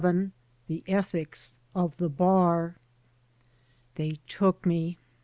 XI THE ETHICS OF THE BAB THEY took me.